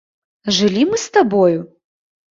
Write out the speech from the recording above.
Жылі мы з табою?